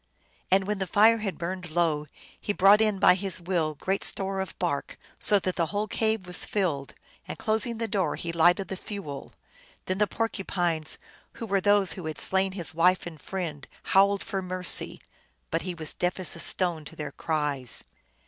And when the fire had burned low he brought in by his will great store of bark, so that the whole cave was filled, and closing the door he lighted the fuel. Then the Porcupines, who were those who had slain his wife and friend, howled for mercy, but he was deaf as a stone to their cries.